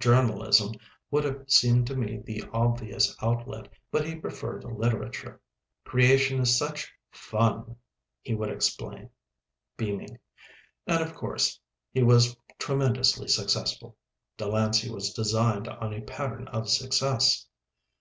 Journalism would have seemed to me the obvious outlet but he preferred literature. "Creation is such fun," he would explain, beaming. And, of course, he was tremendously successful. Delancey was designed on a pattern of success.